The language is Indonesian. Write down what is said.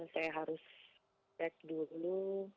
saya harus cek dulu